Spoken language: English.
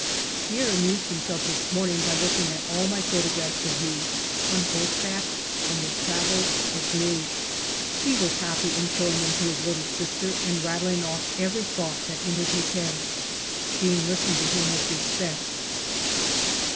" Pierre amused himself this morning by look ing at all my photographs of you, on horseback, on your travels, at Bourges. He was happy in showing them to his little sister and rattling off every thought that entered his head. Jeanne lis tened to him with respect.'